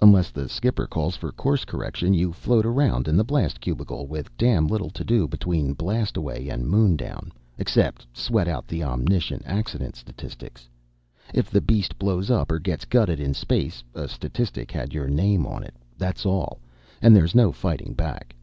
unless the skipper calls for course correction, you float around in the blast cubicle with damn little to do between blast away and moon down, except sweat out the omniscient accident statistics. If the beast blows up or gets gutted in space, a statistic had your name on it, that's all, and there's no fighting back.